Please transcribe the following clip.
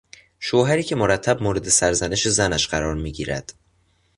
شوهری که مرتب مورد سرزنش زنش قرار میگیرد